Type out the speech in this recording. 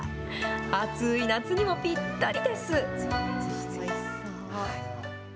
暑い夏にもぴったりです。